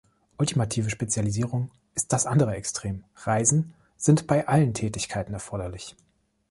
Ultimative Spezialisierung ist das andere Extrem; Reisen sind bei allen Tätigkeiten erforderlich.